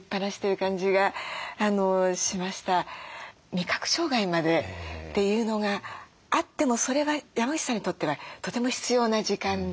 味覚障害までというのがあってもそれは山口さんにとってはとても必要な時間でっていうのがね